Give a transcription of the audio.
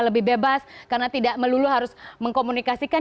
lebih bebas karena tidak melulu harus mengkomunikasikan